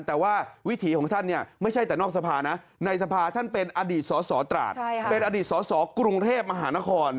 แต่ว่าวิถีของท่านเนี่ยไม่ใช่แต่นอกสภานะในสภาท่านเป็นอดีตสสตราดเป็นอดีตสสกรุงเทพมหานคร